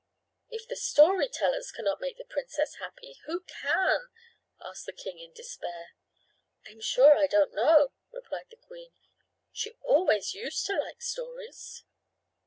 "If the storytellers cannot make the princess happy, who can?" asked the king in despair. "I'm sure I don't know," replied the queen. "She always used to like stories."